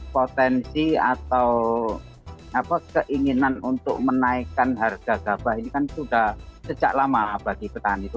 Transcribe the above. potensi atau keinginan untuk menaikkan harga gabah ini kan sudah sejak lama bagi petani itu